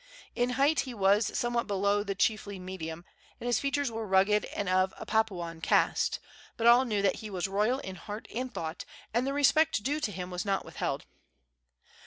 In height he was somewhat below the chiefly medium, and his features were rugged and of a Papuan cast; but all knew that he was royal in heart and thought, and the respect due to him was not withheld.